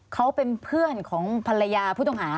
เขาเป็นเพื่อนของภรรยาผู้ต้องหา